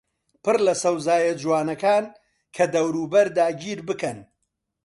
پڕ لە سەوزاییە جوانەکان کە دەوروبەر داگیربکەن